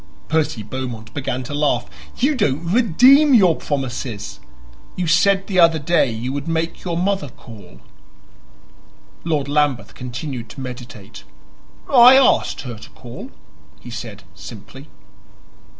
Percy Beaumont began to laugh. "You don't redeem your promises. You said the other day you would make your mother call." Lord Lambeth continued to meditate. "I asked her to call," he said simply.